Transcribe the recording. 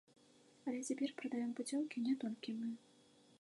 Але цяпер прадаём пуцёўкі не толькі мы.